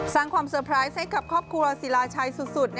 สร้างความเซอร์ไพรส์ให้กับครอบครัวศิลาชัยสุด